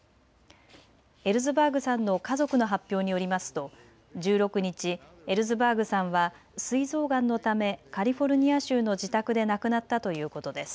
エルズバーグさんの家族の発表によりますと１６日、エルズバーグさんはすい臓がんのためカリフォルニア州の自宅で亡くなったということです。